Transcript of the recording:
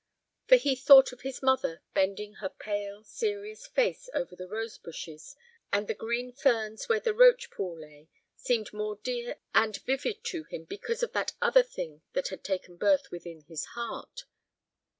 For the thought of his mother bending her pale, serious face over the rose bushes and the green ferns where the roach pool lay seemed more dear and vivid to him because of that other thing that had taken birth within his heart.